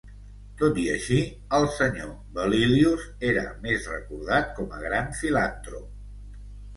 Tot i així, el Sr. Belilios era més recordat com a gran filantrop.